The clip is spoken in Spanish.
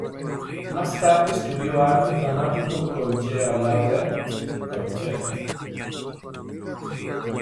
Más tarde estudió arte dramático con Jean-Laurent Cochet.